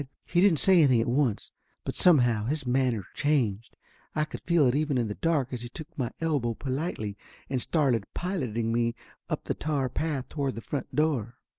He didn't say anything at once, but somehow his manner changed. I could feel it even in the dark as he took my elbow politely and started piloting me up the tar path toward the front door.